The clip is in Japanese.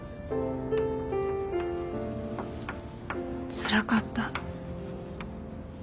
つらかった。